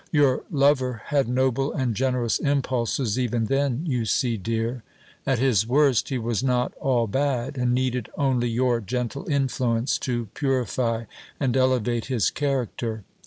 Your lover had noble and generous impulses even then, you see, dear; at his worst he was not all bad, and needed only your gentle influence to purify and elevate his character.